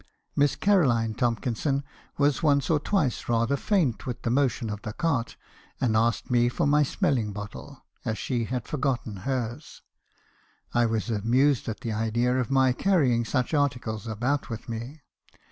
Miss Caroline Tomkinson was once Lizzie Leigh. 17 258 mr. Harrison's confessions. or twice rather faint with the motion of the cart, and asked me for my smelling bottle, as she had forgotten hers. I was amused at the idea of my carrying such articles about with me.